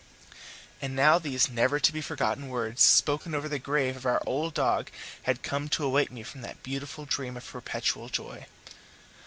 And now these never to be forgotten words spoken over the grave of our old dog had come to awaken me from that beautiful dream of perpetual joy!